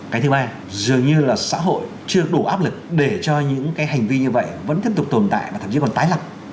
cái thứ ba dường như là xã hội chưa đủ áp lực để cho những cái hành vi như vậy vẫn tiếp tục tồn tại và thậm chí còn tái lập